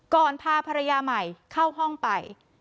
พาภรรยาใหม่เข้าห้องไป